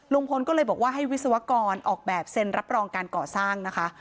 ลุงพลก็เลยบอกว่าให้วิศวกรออกแบบเซ็นรับรองการก่อสร้างนะคะ